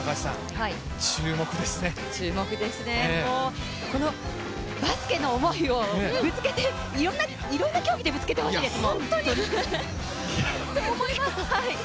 注目ですね、バスケの思いをいろんな競技でぶつけてほしいです。